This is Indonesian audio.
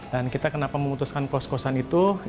dan kita kenapa memutuskan kos kosan itu